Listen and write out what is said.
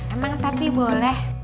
emang tadi boleh